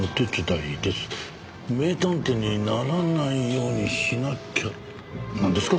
「迷探偵にならないようにしなきゃ」なんですか？